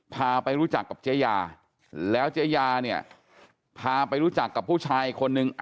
พาไปรู้จักกับเจ๊ยาแล้วเจ๊ยาเนี่ยพาไปรู้จักกับผู้ชายอีกคนนึง